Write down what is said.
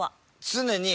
常に。